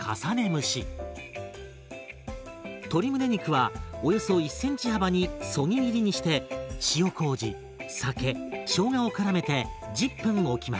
鶏むね肉はおよそ１ｃｍ幅にそぎ切りにして塩こうじ酒しょうがをからめて１０分おきます。